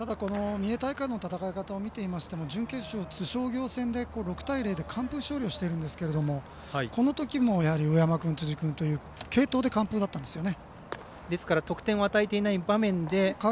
三重大会の戦い方を見ていましても準決勝、津商業戦で６対０で完封勝利をしていますがこのときも上山君、辻君という継投で完封だったんですよね。